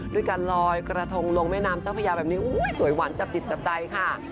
ด้วยการลอยกระทงลงแม่น้ำเจ้าพญาแบบนี้สวยหวานจับจิตจับใจค่ะ